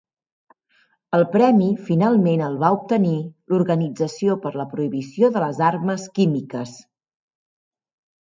El premi finalment el va obtenir l'Organització per la Prohibició de les Armes Químiques.